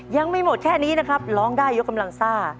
ยังไม่หมดแค่นี้นะครับร้องได้ยกกำลังซ่า